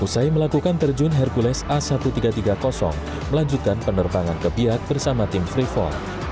usai melakukan terjun hercules a seribu tiga ratus tiga puluh melanjutkan penerbangan kebiak bersama tim freefall